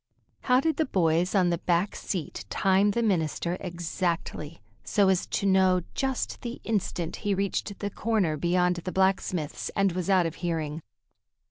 How did the boys on the back seat time the minister exactly, so as to know just the instant he reached the corner beyond the blacksmith's and was out of hearing?